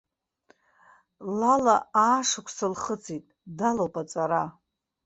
Лала аашықәса лхыҵит, далоуп аҵара.